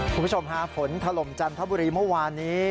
คุณผู้ชมฮะฝนถล่มจันทบุรีเมื่อวานนี้